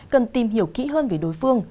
cần tìm hiểu kỹ hơn về đối phương